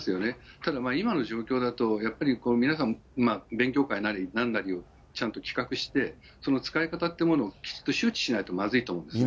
ただ、今の状況だと、やっぱり皆さん、勉強会なりなんなりをちゃんと企画して、その使い方っていうものを、きちっと周知しないとまずいと思うんですね。